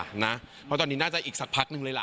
เพราะตอนนี้น่าจะอีกสักพักนึงเลยล่ะ